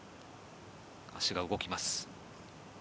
足が動きます。